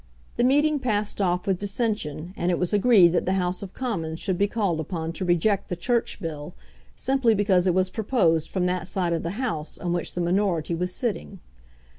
The meeting passed off without dissension, and it was agreed that the House of Commons should be called upon to reject the Church Bill simply because it was proposed from that side of the House on which the minority was sitting.